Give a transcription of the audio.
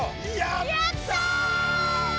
やった！